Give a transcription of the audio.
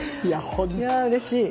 いやうれしい。